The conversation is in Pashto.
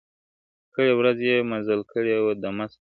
کرۍ ورځ یې مزل کړی وو دمه سو ,